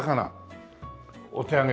お手上げ。